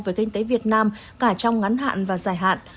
về kinh tế việt nam cả trong ngắn hạn và dài hạn